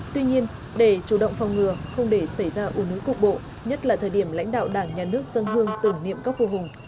tuy nhiên để chủ động phòng ngừa không để xảy ra ủn hữu cục bộ nhất là thời điểm lãnh đạo đảng nhà nước dân hương tử niệm các vua hùng